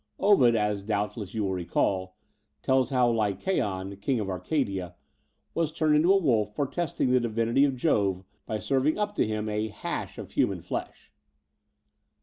Ovid, as doubtless you will recall, tells how Lycaon, King of Arcadia, was turned into a wolf for testing the divinity of Jove by serving up to him a ' hash of human flesh.'